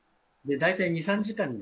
大体２、３時間で。